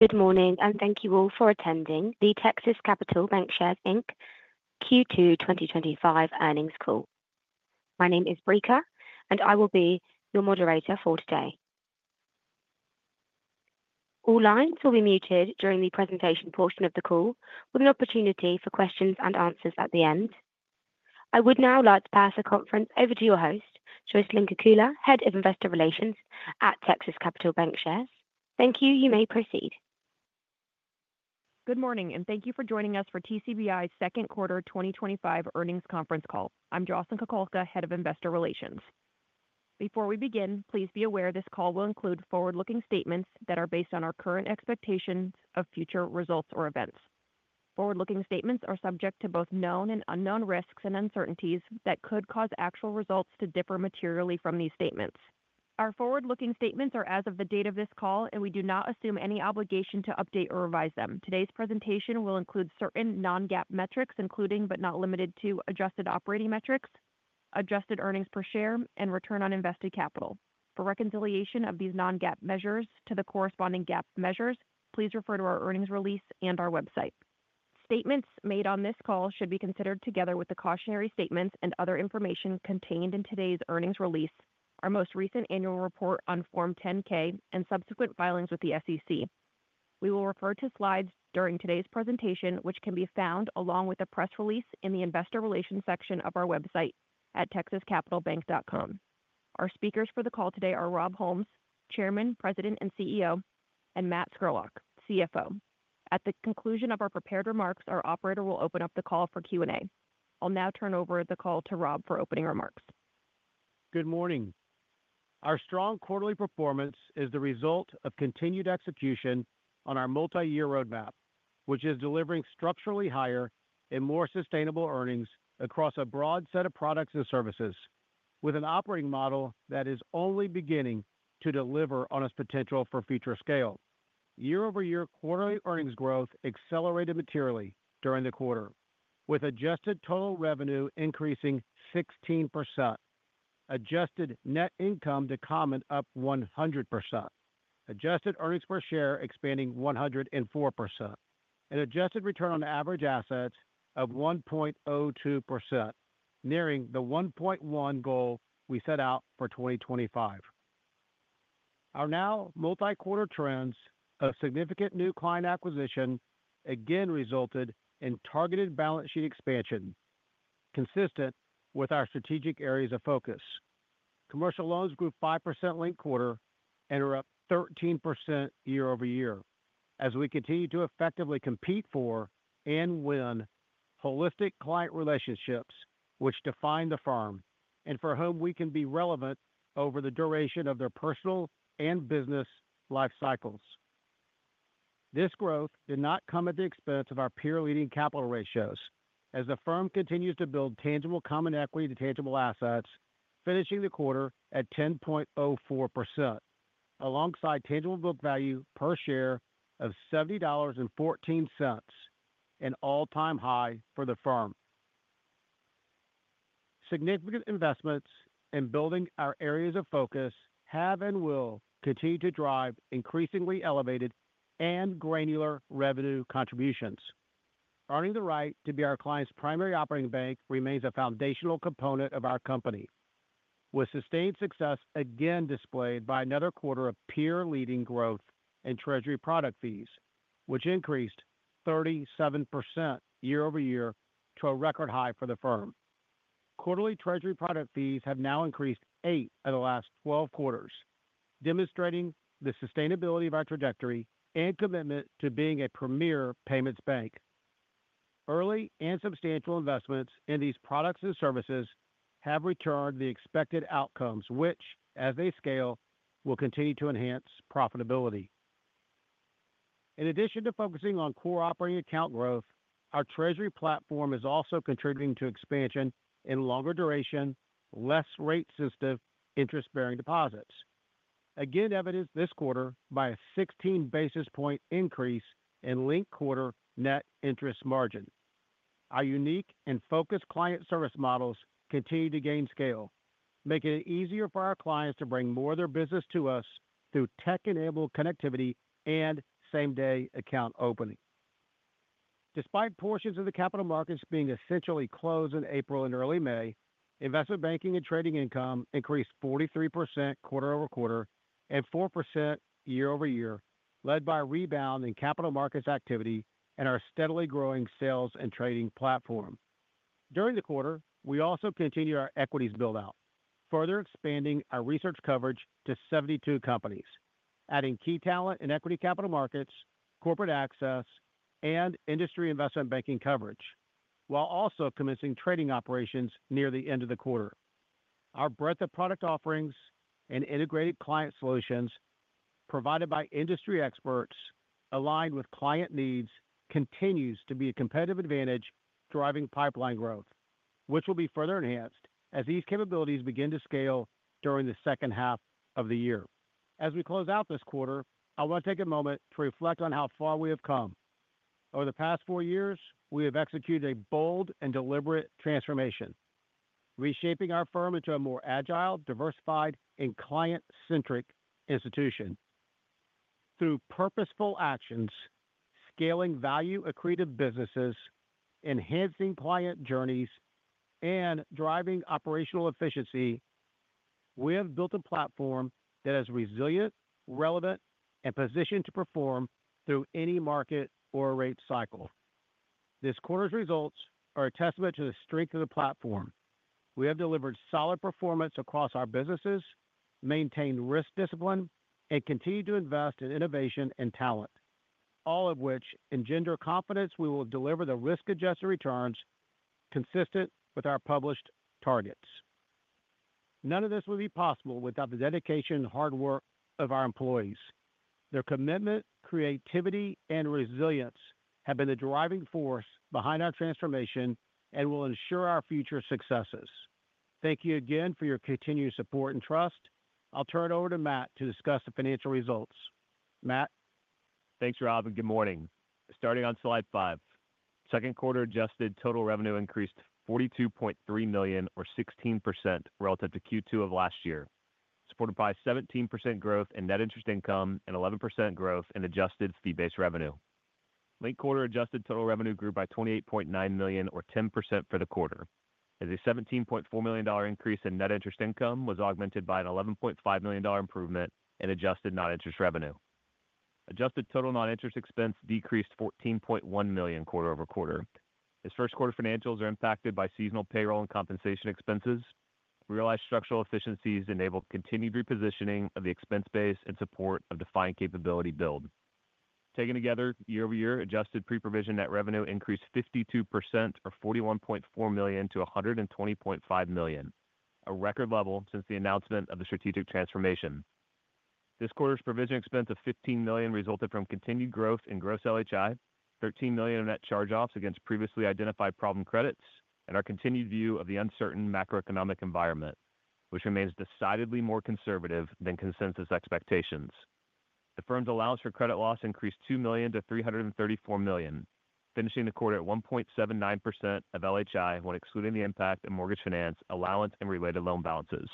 Good morning and thank you all for attending the Texas Capital Bancshares, Inc Q2 2025 earnings call. My name is Breka and I will be your moderator for today. All lines will be muted during the presentation portion of the call, with an opportunity for questions and answers at the end. I would now like to pass the conference over to your host, Jocelyn Kukulka, Head of Investor Relations at Texas Capital Bancshares.Thank you, you may proceed. Good morning and thank you for joining us for TCBI second quarter 2025 earnings conference call. I'm Jocelyn Kukulka, Head of Investor Relations. Before we begin, please be aware this call will include forward-looking statements that are based on our current expectations of future results or events. Forward-looking statements are subject to both known and unknown risks and uncertainties that could cause actual results to differ materially from these statements. Our forward-looking statements are as of the date of this call and we do not assume any obligation to update or revise them. Today's presentation will include certain non-GAAP metrics, including but not limited to adjusted operating metrics, adjusted earnings per share, and return on invested capital. For reconciliation of these non-GAAP measures to the corresponding GAAP measures, please refer to our earnings release and our website. Statements made on this call should be considered together with the cautionary statements and other information contained in today's earnings release, our most recent annual report on Form 10-K, and subsequent filings with the SEC. We will refer to slides during today's presentation which can be found along with a press release in the Investor Relations section of our website at texascapitalbank.com. Our speakers for the call today are Rob Holmes, Chairman, President and CEO, and Matt Scurlock, CFO. At the conclusion of our prepared remarks, our operator will open up the call for Q&A. I'll now turn over the call to Rob for opening remarks. Good morning. Our strong quarterly performance is the result of continued execution on our multi-year roadmap, which is delivering structurally higher and more sustainable earnings across a broad set of products and services with an operating model that is only beginning to deliver on its potential for future scale year over year. Quarterly earnings growth accelerated materially during the quarter, with adjusted total revenue increasing 16%, adjusted net income to common up 100%, adjusted earnings per share expanding 104%, and adjusted return on average assets of 1.02% nearing the 1.1% goal we set out for 2025. Our now multi-quarter trends and significant new client acquisition again resulted in targeted balance sheet expansion consistent with our strategic areas of focus. Commercial loans grew 5% linked-quarter and are up 13% year over year as we continue to effectively compete for and win holistic client relationships, which define the firm and for whom we can be relevant over the duration of their personal and business life cycles. This growth did not come at the expense of our peer-leading capital ratios, as the firm continues to build tangible common equity to tangible assets, finishing the quarter at 10.04% alongside tangible book value per share of $70.14, an all-time high for the firm. Significant investments in building our areas of focus have and will continue to drive increasingly elevated and granular revenue contributions. Earning the right to be our client's primary operating bank remains a foundational component of our company, with sustained success again displayed by another quarter of peer-leading growth in treasury product fees, which increased 37% year over year to a record high for the firm. Quarterly treasury product fees have now increased in 8 of the last 12 quarters, demonstrating the sustainability of our trajectory and commitment to being a premier payments bank. Early and substantial investments in these products and services have returned the expected outcomes, which as they scale will continue to enhance profitability. In addition to focusing on core operating account growth, our treasury platform is also contributing to expansion in longer duration, less rate-sensitive interest-bearing deposits, again evidenced this quarter by a 16 basis point increase in linked-quarter net interest margin. Our unique and focused client service models continue to gain scale, making it easier for our clients to bring more of their business to us through tech-enabled connectivity and same-day account opening. Despite portions of the capital markets being essentially closed in April and early May, investment banking and trading income increased 43% quarter over quarter and 4% year-over-year, led by a rebound in capital markets activity and our steadily growing sales and trading platform. During the quarter, we also continued our equities buildout, further expanding our research coverage to 72 companies, adding key talent in equity capital markets, corporate access, and industry investment banking coverage, while also commencing trading operations near the end of the quarter. Our breadth of product offerings and integrated client solutions provided by industry experts aligned with client needs continues to be a competitive advantage, driving pipeline growth, which will be further enhanced as these capabilities begin to scale during the second half of the year. As we close out this quarter, I want to take a moment to reflect on how far we have come. Over the past four years, we have executed a bold and deliberate transformation, reshaping our firm into a more agile, diversified, and client-centric institution. Through purposeful actions, scaling value-accretive businesses, enhancing client journeys, and driving operational efficiency, we have built a platform that is resilient, relevant, and positioned to perform through any market or rate cycle. This quarter's results are a testament to the strength of the platform. We have delivered solid performance across our businesses, maintain risk discipline, and continue to invest in innovation and talent, all of which engender confidence we will deliver the risk-adjusted returns consistent with our published targets. None of this would be possible without the dedication and hard work of our employees. Their commitment, creativity, and resilience have been the driving force behind our transformation and will ensure our future successes. Thank you again for your continued support and trust. I'll turn it over to Matt to discuss the financial results. Matt. Thanks Rob, and good morning. Starting on slide 5, second quarter adjusted total revenue increased $42.3 million or 16% relative to Q2 of last year, supported by 17% growth in net interest income and 11% growth in adjusted fee-based revenue. Linked-quarter adjusted total revenue grew by $28.9 million or 10% for the quarter as a $17.4 million increase in net interest income was augmented by an $11.5 million improvement in adjusted non-interest revenue. Adjusted total non-interest expense decreased $14.1 million quarter over quarter as first quarter financials are impacted by seasonal payroll and compensation expenses. Realized structural efficiencies enabled continued repositioning of the expense base in support of defined capability build. Taken together, year-over-year, adjusted pre-provision net revenue increased 52% or $41.4 million to $120.5 million, a record level since the announcement of the strategic transformation. This quarter's provision expense of $15 million resulted from continued growth in gross LHI, $13 million of net charge-offs against previously identified problem credits, and our continued view of the uncertain macroeconomic environment, which remains decidedly more conservative than consensus expectations. The firm's allowance for credit losses increased $2 million to $334 million, finishing the quarter at 1.79% of LHI when excluding the impact of mortgage finance allowance and related loan balances.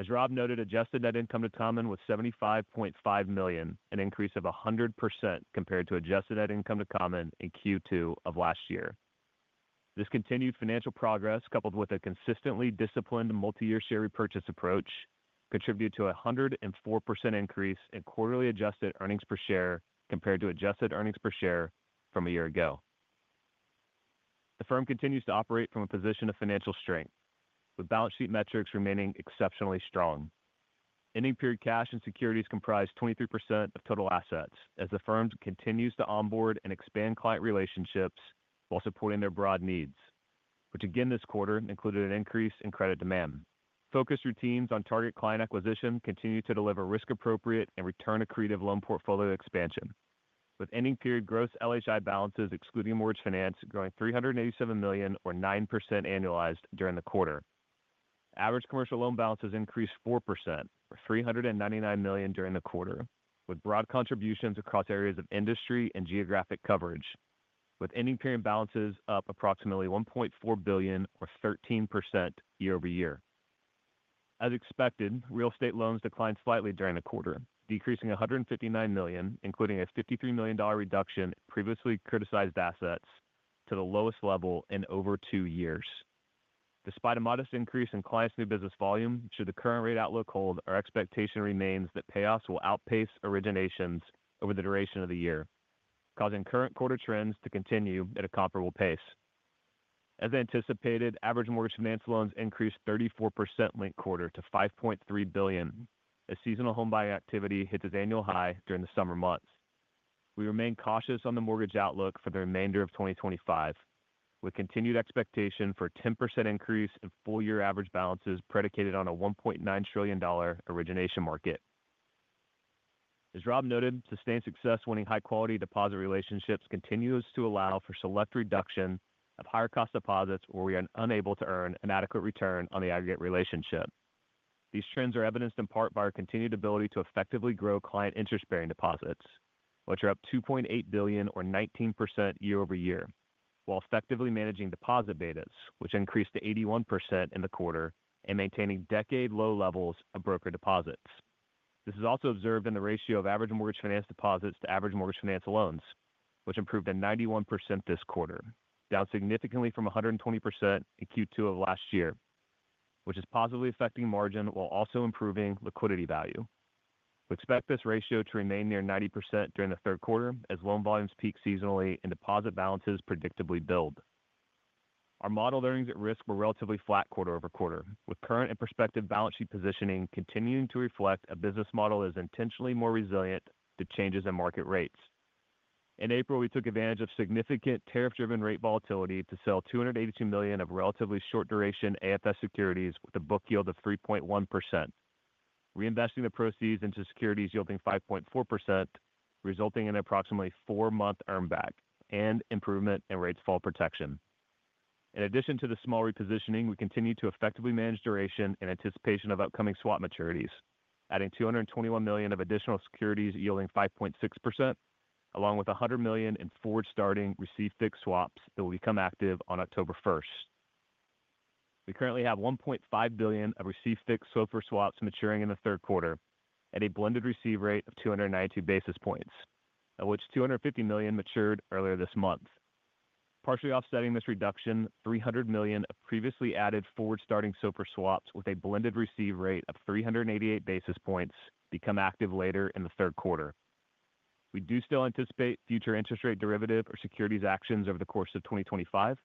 As Rob noted, adjusted net income to common was $75.5 million, an increase of 100% compared to adjusted net income to common in Q2 of last year. This continued financial progress, coupled with a consistently disciplined multi-year share repurchase approach, contributed to a 104% increase in quarterly adjusted earnings per share compared to adjusted earnings per share from a year ago. The firm continues to operate from a position of financial strength with balance sheet metrics remaining exceptionally strong. Ending period cash and securities comprise 23% of total assets as the firm continues to onboard and expand client relationships while supporting their broad needs, which again this quarter included an increase in credit demand. Focused routines on target client acquisition continue to deliver risk-appropriate and return-accretive loan portfolio expansion, with ending period gross LHI balances excluding mortgage finance growing $387 million or 9% annualized during the quarter. Average commercial loan balances increased 4% or $399 million during the quarter with broad contributions across areas of industry and geographic coverage, with ending period balances up approximately $1.4 billion or 13% year over year. As expected, real estate loans declined slightly during the quarter, decreasing $159 million including a $53 million reduction. Previously criticized assets to the lowest level in over two years despite a modest increase in clients' new business volume. Should the current rate outlook hold, our expectation remains that payoffs will outpace originations over the duration of the year, causing current quarter trends to continue at a comparable pace. As anticipated, average mortgage finance loans increased 34% linked-quarter to $5.3 billion as seasonal home buying activity hits its annual high during the summer months. We remain cautious on the mortgage outlook for the remainder of 2025 with continued expectation for 10% increase in full year average balances predicated on a $1.9 trillion origination market. As Rob noted, sustained success winning high quality deposit relationships continues to allow for select reduction of higher cost deposits where we are unable to earn an adequate return on the aggregate relationship. These trends are evidenced in part by our continued ability to effectively grow client interest bearing deposits, which are up $2.8 billion or 19% year over year, while effectively managing deposit betas which increased to 81% in the quarter and maintaining decade low levels of broker deposits. This is also observed in the ratio of average mortgage finance deposits to average mortgage finance loans, which improved at 91% this quarter, down significantly from 120% in Q2 of last year, which is positively affecting margin while also improving liquidity value. We expect this ratio to remain near 90% during the third quarter as loan volumes peak seasonally and deposit balances predictably build. Our model earnings at risk were relatively flat quarter-over-quarter, with current and prospective balance sheet positioning continuing to reflect a business model that is intentionally more resilient to changes in market rates. In April, we took advantage of significant tariff driven rate volatility to sell $282 million of relatively short duration AFS securities with a book yield of 3.1%, reinvesting the proceeds into securities yielding 5.4%, resulting in approximately four month earn back and improvement in rates. Fall protection in addition to the small repositioning, we continue to effectively manage duration in anticipation of upcoming swap maturities, adding $221 million of additional securities yielding 5.6% along with $100 million in forward starting receive fixed swaps that will become active on October 1. We currently have $1.5 billion of receive fixed SOFR swaps maturing in the third quarter at a blended receive rate of 292 basis points, of which $250 million matured earlier this month. Partially offsetting this reduction, $300 million of previously added forward starting SOFR swaps with a blended receive rate of 388 basis points become active later in the third quarter. We do still anticipate future interest rate derivative or securities actions over the course of 2025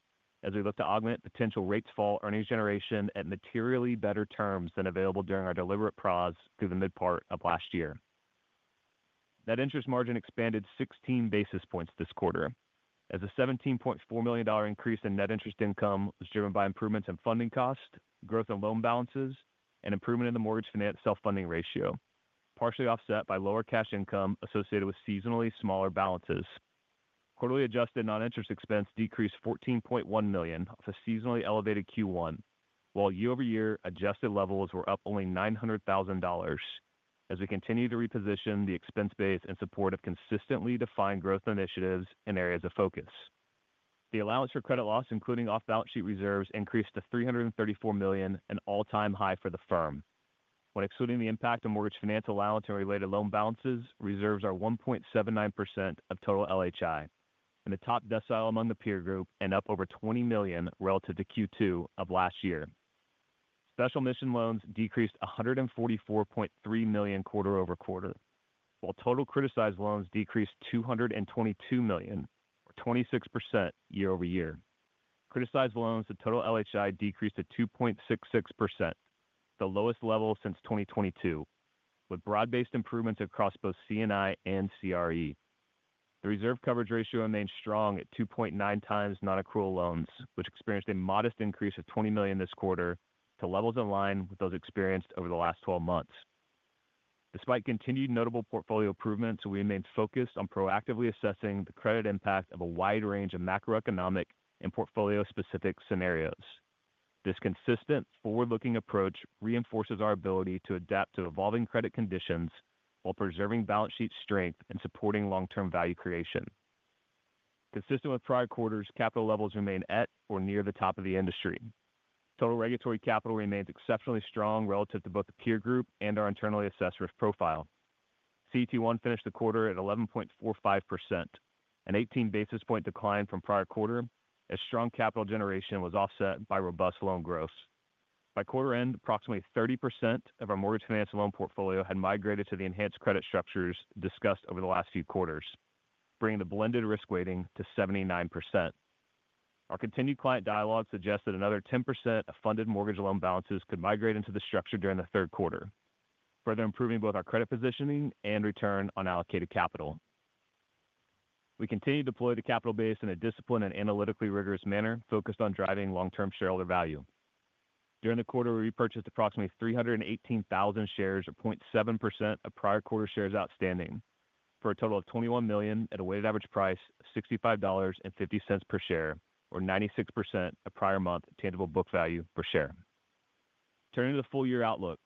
as we look to augment potential rates fall earnings generation at materially better terms than available during our deliberate process through the mid part of last year. Net interest margin expanded 16 basis points this quarter as a $17.4 million increase in net interest income was driven by improvements in funding costs, growth in loan balances, and improvement in the mortgage finance self-funding ratio, partially offset by lower cash income associated with seasonally smaller balances. Quarterly adjusted non-interest expense decreased $14.1 million off a seasonally elevated Q1, while year-over-year adjusted levels were up only $900,000. As we continue to reposition the expense base in support of consistently defined growth initiatives and areas of focus, the allowance for credit losses including off-balance sheet reserves increased to $334 million, an all-time high for the firm. When excluding the impact of mortgage finance allowance and related loan balances, reserves are 1.79% of total LHI, in the top decile among the peer group and up over $20 million relative to Q2 of last year. Special Mission loans decreased $144.3 million quarter over quarter, while total criticized loans decreased $222 million or 26% year-over-year. Criticized loans to total LHI decreased to 2.66%, the lowest level since 2022, with broad-based improvements across both CNI and CRE. The reserve coverage ratio remains strong at 2.9 times non-accrual loans, which experienced a modest increase of $20 million this quarter to levels in line with those experienced over the last 12 months. Despite continued notable portfolio improvements, we remain focused on proactively assessing the credit impact of a wide range of macroeconomic and portfolio specific scenarios. This consistent forward looking approach reinforces our ability to adapt to evolving credit conditions while preserving balance sheet strength and supporting long term value creation. Consistent with prior quarters, capital levels remain at or near the top of the industry. Total regulatory capital remains exceptionally strong relative to both the peer group and our internally assessed risk profile. CET1 finished the quarter at 11.4%, an 18 basis point decline from prior quarter as strong capital generation was offset by robust loan growth. By quarter end, approximately 30% of our mortgage finance loan portfolio had migrated to the enhanced credit structures discussed over the last few quarters, bringing the blended risk weighting to 79%. Our continued client dialogue suggests that another 10% of funded mortgage loan balances could migrate into the structure during the third quarter, further improving both our credit positioning and return on allocated capital. We continue to deploy the capital base in a disciplined and analytically rigorous manner focused on driving long term shareholder value. During the quarter, we repurchased approximately 318,000 shares or 0.7% of prior quarter shares outstanding for a total of $21 million at a weighted average price of $65.50 per share or 96% of prior month tangible book value per share. Turning to the full year outlook,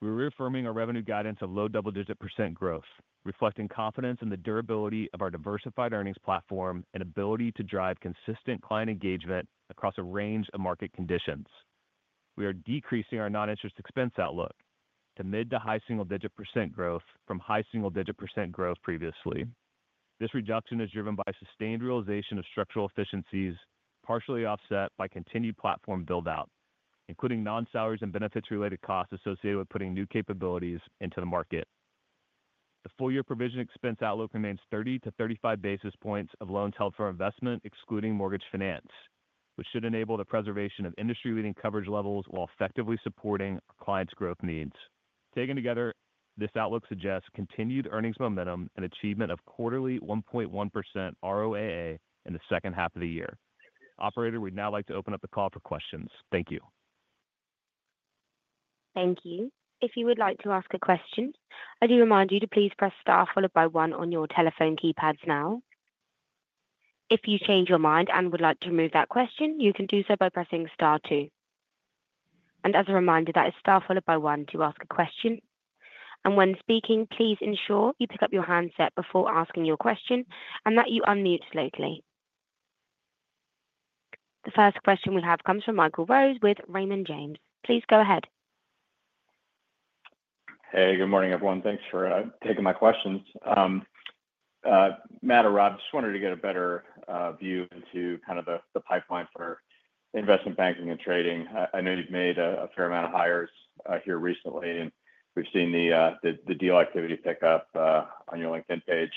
we're reaffirming our revenue guidance of low double digit % growth reflecting confidence in the durability of our diversified earnings platform and ability to drive consistent client engagement across a range of market conditions. We are decreasing our non-interest expense outlook to mid to high single digit % growth from high single digit % growth previously. This reduction is driven by sustained realization of structural efficiencies partially offset by continued platform build out including non-salaries and benefits related costs associated with putting new capabilities into the market. The full year provision expense outlook remains 30 to 35 basis points of loans held for investment excluding mortgage finance, which should enable the preservation of industry leading coverage levels while effectively supporting clients' growth needs. Taken together, this outlook suggests continued earnings momentum and achievement of corporate quarterly 1.1% ROAA in the second half of the year. Operator, we'd now like to open up the call for questions. Thank you. Thank you. If you would like to ask a question, I do remind you to please press STAR followed by one on your telephone keypads. If you change your mind and would like to remove that question, you can do so by pressing STAR two. As a reminder, that is STAR followed by one to ask a question. When speaking, please ensure you pick up your handset before asking your question and that you unmute locally. The first question we have comes from Michael Rose with Raymond James. Please go ahead. Hey, good morning everyone. Thanks for taking my questions, Matt or Rob. Just wanted to get a better view into kind of the pipeline for investment banking and trading. I know you've made a fair amount of hires here recently, and we've seen the deal activity pick up on your LinkedIn page.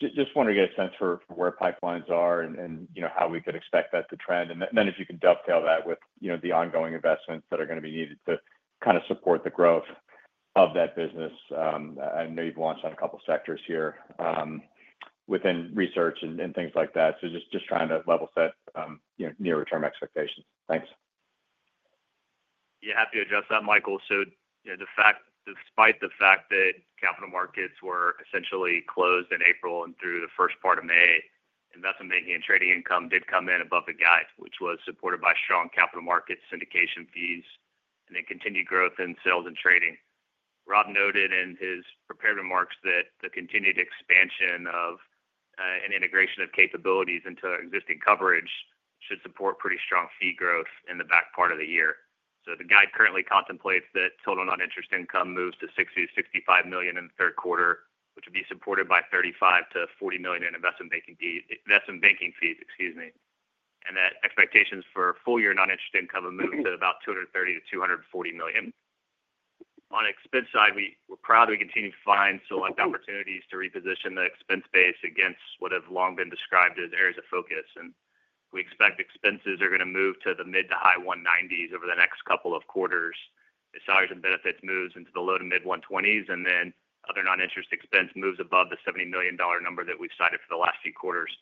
Just want to get a sense for where pipelines are and how we could expect that to trend, and then if you can dovetail that with the ongoing investments that are going to be needed to kind of support the growth of that business. I know you've launched on a couple sectors here within research and things like that. Just trying to level set nearer term expectations. Thanks. Yeah, happy to address that, Michael. Despite the fact that capital markets were essentially closed in April and through the first part of May, investment banking and trading income did come in above the guide, which was supported by strong capital markets syndication fees and continued growth in sales and trading. Rob noted in his prepared remarks that the continued expansion of and integration of capabilities into existing coverage should support pretty strong fee growth in the back part of the year. The guide currently contemplates that total non-interest income moves to $60 to $65 million in the third quarter, which would be supported by $35 to $40 million in investment banking fees. Expectations for full year non-interest income have moved to about $230 to $240 million. On the expense side, we're proud that we continue to find select opportunities to reposition the expense base against what have long been described as areas of focus. We expect expenses are going to move to the mid to high $190 million range over the next couple of quarters as salaries and benefits move into the low to mid-$120 million range and other non-interest expense moves above the $70 million number that we've cited for the last few quarters.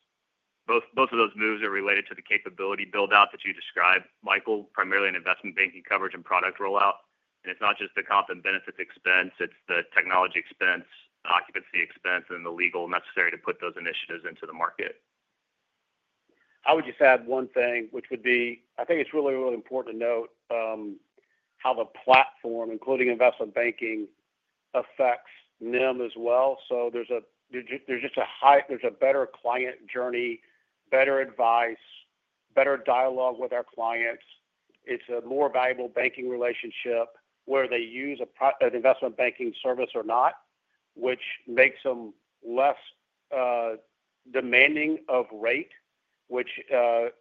Both of those moves are related to the capability build out that you described, Michael, primarily in investment banking coverage and product rollout. It's not just the comp and benefits expense, it's the technology expense, occupancy expense, and the legal necessary to put those initiatives into the market. I would just add one thing, which would be, I think it's really, really important to note how the platform, including investment banking, affects NIM as well. There's a better client journey, better advice, better dialogue with our clients, a more valuable banking relationship whether they use an investment banking service or not, which makes them less demanding of rate, which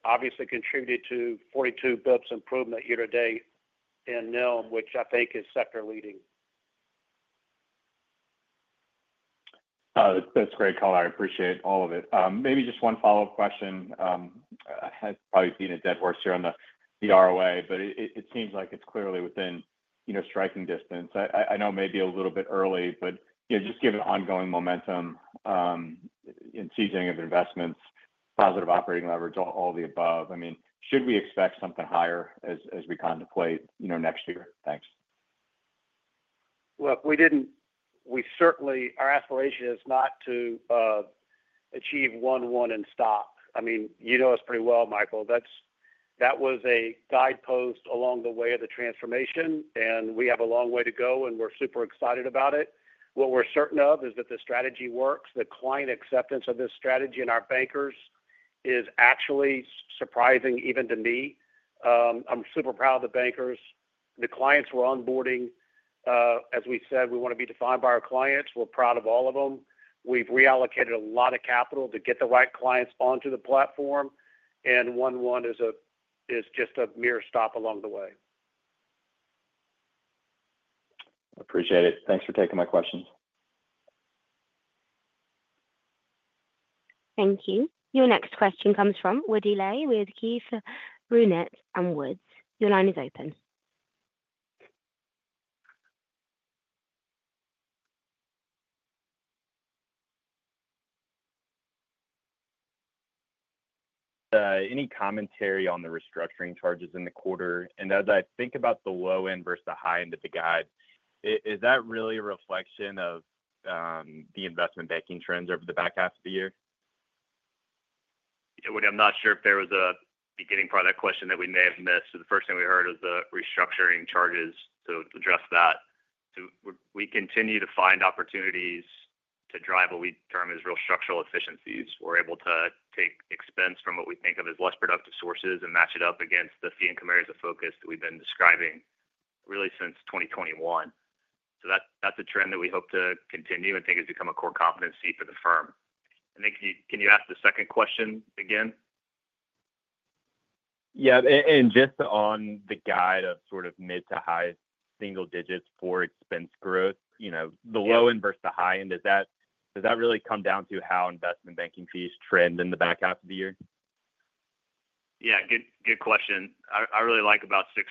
obviously contributed to 42 bps improvement year to date in NIM, which I think is sector leading. That's great, caller. I appreciate all of it. Maybe just one follow-up question. Probably seen a dead horse here on the ROA, but it seems like it's clearly within striking distance. I know maybe a little bit early, but just given ongoing momentum and seasoning of investments, positive operating leverage, all the above. I mean, should we expect something higher as we contemplate next year? Thanks. Look, we didn't. We certainly our aspiration is not to achieve 1:1 in stock. I mean, you know us pretty well, Michael. That was a guidepost along the way of the transformation. We have a long way to go and we're super excited about it. What we're certain of is that the strategy works. The client acceptance of this strategy and our bankers is actually surprising even to me. I'm super proud of the bankers, the clients we're onboarding. As we said, we want to be defined by our clients. We're proud of all of them. We've reallocated a lot of capital to get the right clients onto the platform. 1:1 is just a mere stop along the way. Appreciate it. Thanks for taking my questions. Thank you. Your next question comes from Woody Lay with KBW. Your line is open. Any commentary on the restructuring charges in the quarter? As I think about the low end versus the high end of the guide, is that really a reflection of the investment banking trends over the back half of the year? I'm not sure if there was a beginning part of that question that we may have missed. The first thing we heard is the restructuring charges. To address that, we continue to find opportunities to drive what we term as real structural efficiencies. We're able to take expense from what we think of as less productive sources and match it up against the fee income areas of focus that we've been describing really since 2021. That's a trend that we hope to continue and think has become a core competency for the firm. Can you ask the second question again? Yeah. Just on the guide of sort of mid to high single digits for expense growth, the low end versus the high end. Does that really come down to how investment banking fees trend in the back half of the year? Yeah, good question. I really like about 6%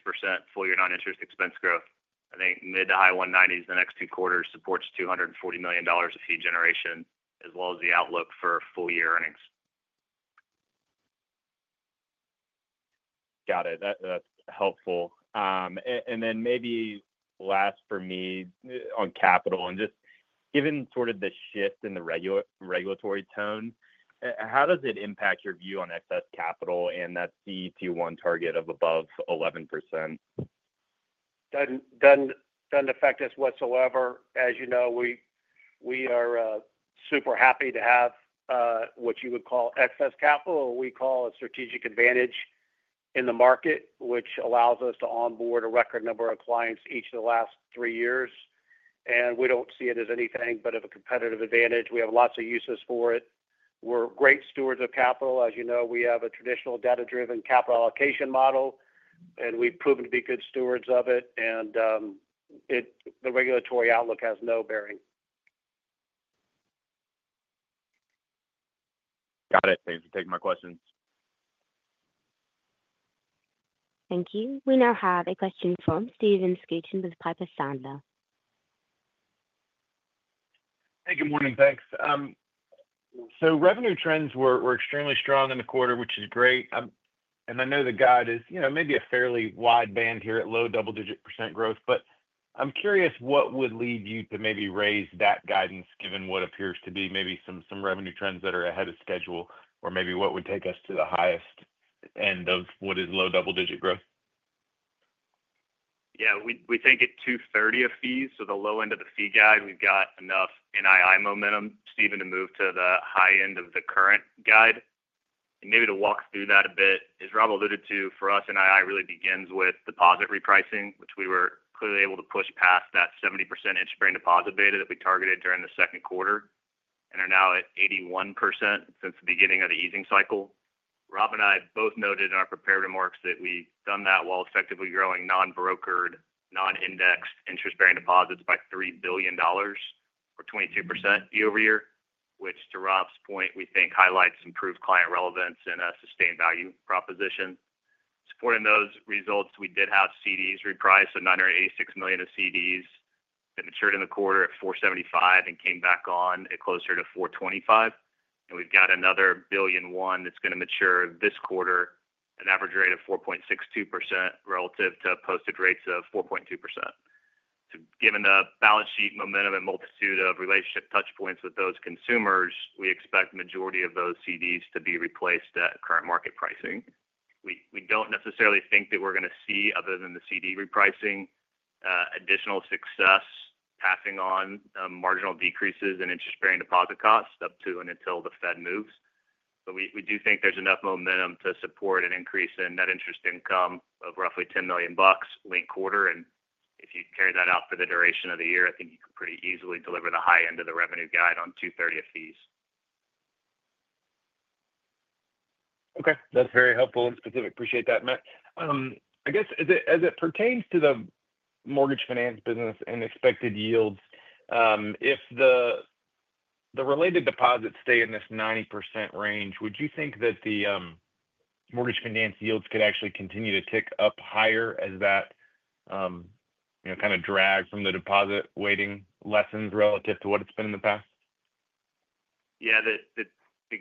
full year non-interest expense growth. I think mid to high $190 million, the next two quarters supports $240 million of fee generation as well as the outlook for full year earnings. Got it. That's helpful. Maybe last for me on capital and just given the shift in the regulatory tone, how does it impact your view on excess capital and that CET1 target of above 11%? Doesn't affect us whatsoever. As you know, we are super happy to have what you would call excess capital. We call a strategic advantage in the market, which allows us to onboard a record number of clients each of the last three years. We don't see it as anything but a competitive advantage. We have lots of uses for it. We're great stewards of capital. As you know, we have a traditional data-driven capital allocation model, and we've proven to be good stewards of it. The regulatory outlook has no bearing. Got it. Thanks for taking my questions. Thank you. We now have a question from Stephen Scouten with Piper Sandler. Hey, good morning. Thanks. Revenue trends were extremely strong in. The quarter, which is great. I know the guide is, you know, maybe a fairly wide band here.At low double digit percent growth. I'm curious what would lead you to maybe raise that guidance given what appears. To be maybe some revenue trends that are ahead of schedule or maybe what would take us to the highest end of what is low double-digit growth? Yeah, we take it $230 million of fees. The low end of the fee guide. We've got enough NII momentum, Stephen, to move to the high end of the current guide and maybe to walk through that a bit. As Rob alluded to for us, NII really begins with deposit repricing, which we were clearly able to push past that 70% interest-bearing deposit beta that we targeted during the second quarter and are now at 81% since the beginning of the easing cycle. Rob and I both noted in our prepared remarks that we've done that while effectively growing non-brokered, non-indexed interest-bearing deposits by $3 billion or 22% year-over-year, which to Rob's point we think highlights improved client relevance in a sustained value proposition. Supporting those results, we did have CDs repriced, so $986 million of CDs that matured in the quarter at 4.75% and came back on at closer to 4.25%. We've got another $1.1 billion that's going to mature this quarter at an average rate of 4.62% relative to posted rates of 4.2%. Given the balance sheet momentum and multitude of relationship touch points with those consumers, we expect the majority of those CDs to be replaced at current market pricing. We don't necessarily think that we're going to see, other than the CD repricing, additional success passing on marginal decreases in interest-bearing deposit costs up to and until the Fed moves. We do think there's enough momentum to support an increase in net interest income of roughly $10 million linked quarter. If you carry that out for the duration of the year, I think you can pretty easily deliver the high end of the revenue guide on $230 million of fees. Okay, that's very helpful and specific. Appreciate that, Matt. I guess as it pertains to the mortgage finance business and expected yields, if the related deposits stay in this 90% range, would you think that the mortrage finance yields could actually continue to tick up higher as that kind of drag from the deposit weighting lessens relative to what it's been in the past? Yeah, the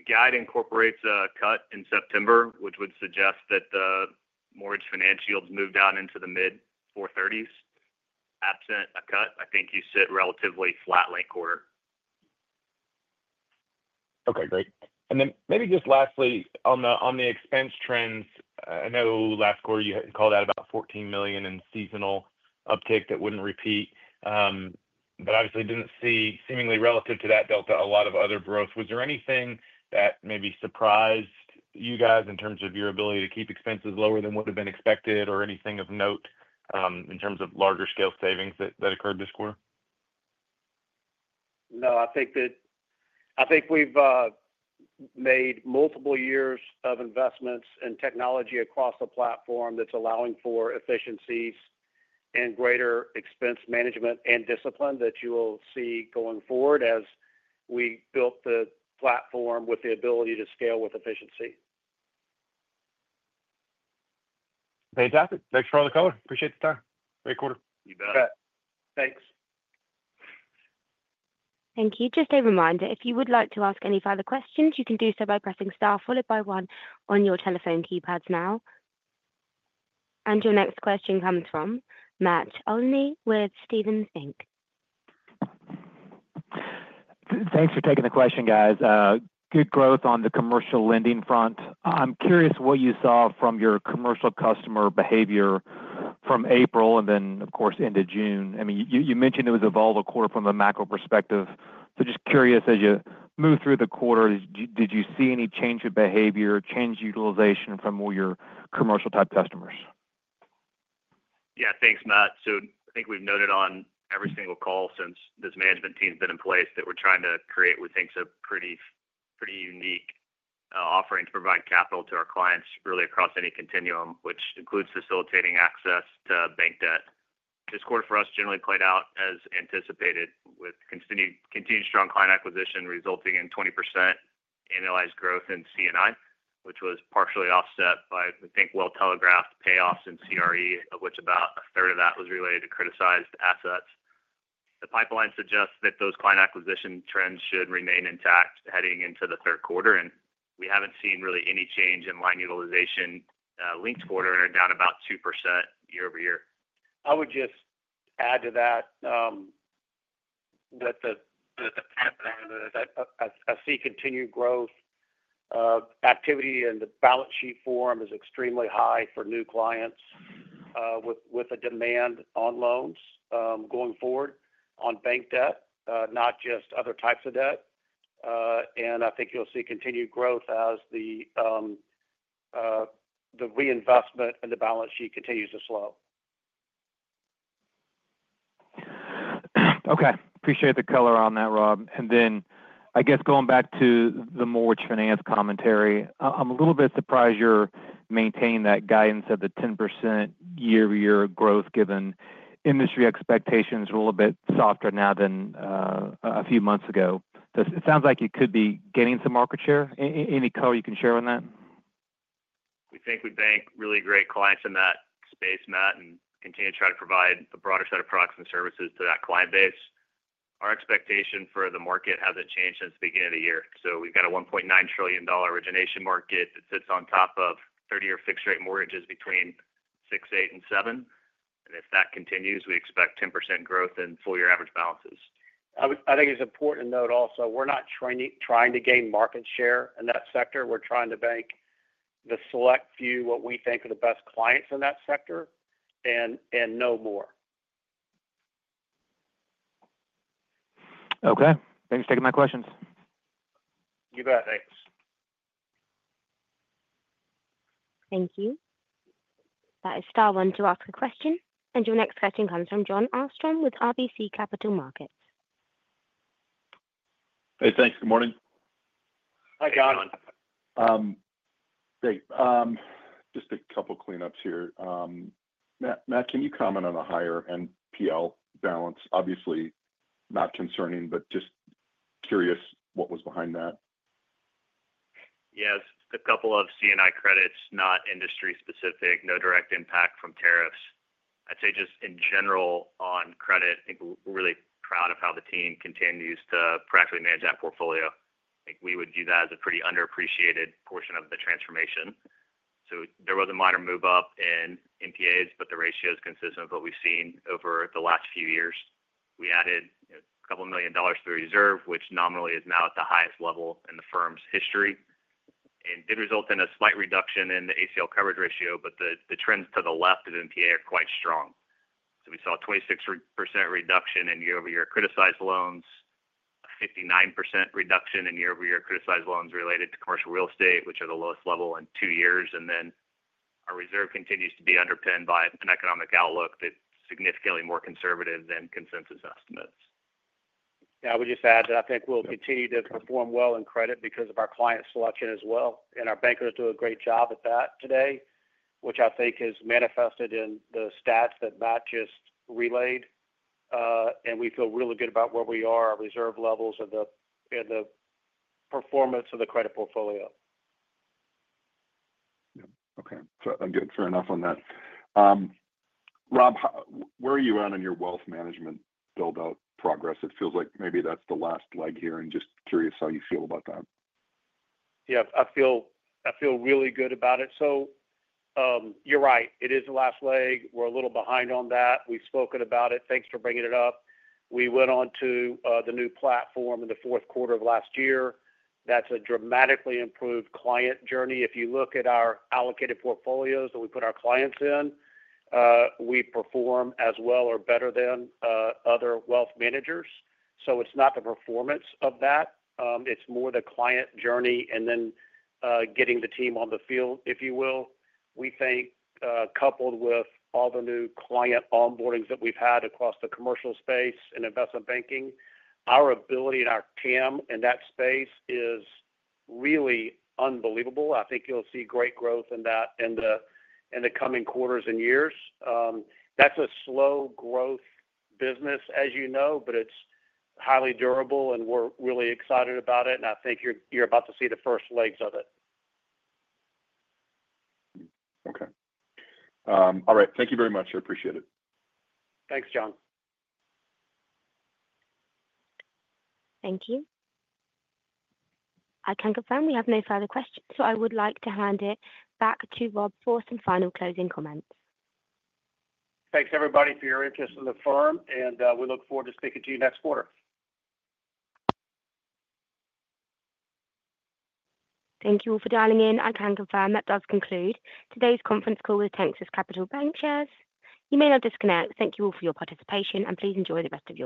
guide incorporates a cut in September, which would suggest that the mortgage finance yields move down into the mid-430s. Absent a cut, I think you sit relatively flat late quarter. Okay, great. Maybe just lastly on the expense trends, I know last quarter you called out about $14 million in seasonal uptick that wouldn't repeat, but obviously didn't seemingly relative to that delta lot of other growth. Was there anything that maybe surprised you guys in terms of your ability to Keep expenses lower than would have been. Expected or anything of note in terms of larger scale savings that occurred this quarter? I think we've made multiple years of investments in technology across the platform that's allowing for efficiencies and greater expense management and discipline that you will see going forward as we built the platform with the ability to scale with efficiency. Fantastic. Thanks for all the color. Appreciate the time. Great quarter. You bet. Thanks. Thank you. Just a reminder, if you would like to ask any further questions, you can do so by pressing star followed by one on your telephone keypads now. Your next question comes from Matt Olney with Stephens Inc. Thanks for taking the question, guys. Good growth on the commercial lending front. I'm curious what you saw from your commercial customer behavior from April and then of course into June. You mentioned it was a volatile quarter from a macro perspective. Just curious, as you move through the quarter, did you see any change of behavior, change in utilization from all your commercial type customers? Yeah, thanks Matt. I think we've noted on every single call since this management team's been in place that we're trying to create, we think, a pretty unique offering to provide capital to our clients really across any continuum, which includes facilitating access to bank debt. This quarter for us generally played out as anticipated, with continued strong client acquisition resulting in 20% in CNI, which was partially offset by, we think, well-telegraphed payoffs in CRE, of which about a third of that was related to criticized assets. The pipeline suggests that those client acquisition trends should remain intact heading into the third quarter. We haven't seen really any change in line utilization linked quarter and are down about 2% year-over-year. I would just add to that. I see continued growth activity in the balance sheet form is extremely high for new clients, with a demand on loans going forward on bank debt, not just other types of debt. I think you'll see continued growth as the reinvestment and the balance sheet continues to slow down. Okay. Appreciate the color on that, Rob. I guess going back to the mortgage finance commentary, I'm a little bit surprised you're maintaining that guidance of the 10% year-over-year growth. Given industry expectations a little bit softer now than a few months ago, it sounds like you could be getting some market share. Any color you can share on that? We think we bank really great clients in that space, Matt, and continue to try to provide a broader set of products and services to that client base. Our expectation for the market hasn't changed since the beginning of the year. We've got a $1.9 trillion origination market that sits on top of 30-year fixed rate mortgages between 6.8 and 7. If that continues, we expect 10% growth in full year average balances. I think it's important to note also we're not trying to gain market share in that sector. We're trying to bank the select few, what we think are the best clients in that sector and no more. Okay, thanks for taking my questions. You bet. Thanks. Thank you. That is star one to ask a question. Your next question comes from John Armstrong with RBC Capital Markets. Hey, thanks. Good morning. Hi John. Great. Just a couple cleanups here Matt, can you comment on the higher NPL balance? Obviously not concerning, just curious what was behind that? Yes, a couple of CNI credits, not industry specific, no direct impact from tariffs, I'd say just in general on credit. Really proud of how the team continues to practically manage that portfolio. We would view that as a pretty underappreciated portion of the transformation. There was a minor move up in NPAs, but the ratio is consistent with what we've seen over the last few years. We added a couple million dollars to the reserve, which nominally is now at the highest level in the firm's history and did result in a slight reduction in the ACL coverage ratio. The trends to the left of NPA are quite strong. We saw a 26% reduction in year-over-year criticized loans, 59% reduction in year-over-year criticized loans related to commercial real estate, which are the lowest level in two years. Our reserve continues to be underpinned by an economic outlook that's significantly more conservative than consensus estimates. I would just add that I think we'll continue to perform well in credit because of our client selection as well. Our bankers do a great job at that today, which I think is manifested in the stats that Matt just relayed. We feel really good about where we are reserve levels and the performance of the credit portfolio. Okay, good. Fair enough on that. Rob, where are you at on your wealth management build out progress? It feels like maybe that's the last. Just curious how you feel about that. I feel really good about it. You're right, it is the last leg. We're a little behind on that. We've spoken about it. Thanks for bringing it up. We went on to the new platform in the fourth quarter of last year. That's a dramatically improved client journey. If you look at our allocated portfolios that we put our clients in, we perform as well or better than other wealth managers. It's not the performance of that, it's more the client journey and then getting the team on the field, if you will. We think coupled with all the new client onboardings that we've had across the commercial space and investment banking, our ability and our TAM in that space is really unbelievable. I think you'll see great growth in that in the coming quarters and years. That's a slow growth business, as you know, but it's highly durable and we're really excited about it. I think you're about to see the first legs of it. Okay. All right, thank you very much. I appreciate it. Thanks, John. Thank you. I can confirm we have no further questions, so I would like to hand it back to Rob for some final closing comments. Thanks, everybody, for your interest in the firm, and we look forward to speaking to you next quarter. Thank you all for dialing in. I can confirm that does conclude today's conference call with Texas Capital Bancshares. You may now disconnect. Thank you all for your participation and please enjoy the rest of your day.